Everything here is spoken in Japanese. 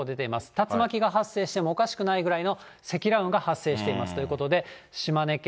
竜巻が発生してもおかしくないぐらいの積乱雲が発生していますということで、島根県、